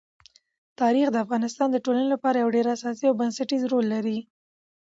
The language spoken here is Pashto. تاریخ د افغانستان د ټولنې لپاره یو ډېر اساسي او بنسټيز رول لري.